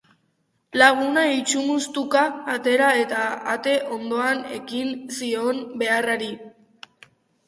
Laguna itsumustuka atera eta ate ondoan ekin zion beharrari.